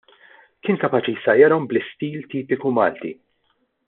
Kien kapaċi jsajjarhom bl-istil tipiku Malti.